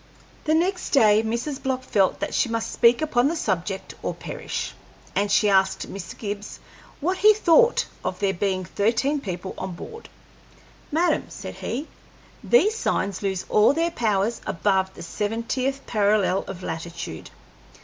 The next day Mrs. Block felt that she must speak upon the subject or perish, and she asked Mr. Gibbs what he thought of there being thirteen people on board. "Madam," said he, "these signs lose all their powers above the seventieth parallel of latitude.